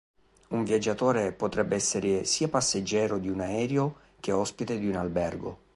Un viaggiatore potrebbe essere sia passeggero di un aereo che ospite di un albergo.